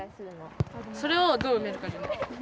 それをどう埋めるかじゃない？